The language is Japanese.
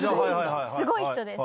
すごい人？